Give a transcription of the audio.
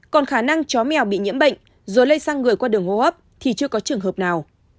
còn khả năng chó mèo bị nhiễm bệnh rồi lây sang người qua đường hô hấp thì chưa có trường hợp nào